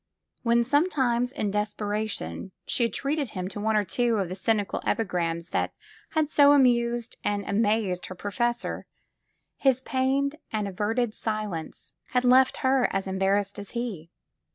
When sometimes in desperation she had treated him to one or two of the cynical epigrams that had so amused and amazed her professor, his pained and averted silence 1!?7 SQUARE PEGGY had left her as embarrassed as he.